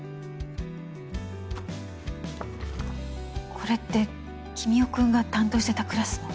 これって君雄君が担当してたクラスの？